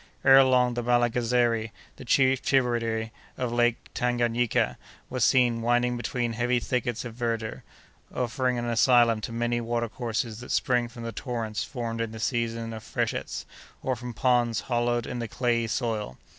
Ere long, the Malagazeri, the chief tributary of Lake Tanganayika, was seen winding between heavy thickets of verdure, offering an asylum to many water courses that spring from the torrents formed in the season of freshets, or from ponds hollowed in the clayey soil.